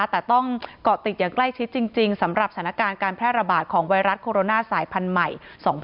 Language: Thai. แต่ต้องเกาะติดอย่างใกล้ชิดจริงสำหรับสถานการณ์การแพร่ระบาดของไวรัสโคโรนาสายพันธุ์ใหม่๒๕๖๒